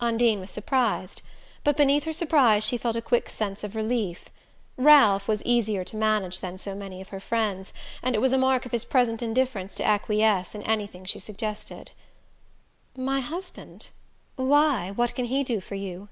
Undine was surprised; but beneath her surprise she felt a quick sense of relief. Ralph was easier to manage than so many of her friends and it was a mark of his present indifference to acquiesce in anything she suggested. "My husband? Why, what can he do for you?"